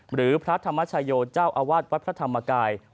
หรือพระธรรมชโยเจ้าอาวาสวัดพระธรรมกาย